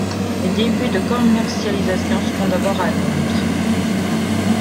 Les débuts de commercialisation se font d'abord à Londres.